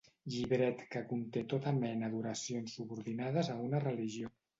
Llibret que conté tota mena d'oracions subordinades a una religió.